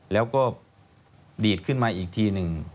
แล้วก็ดีดขึ้นมาอีกทีหนึ่ง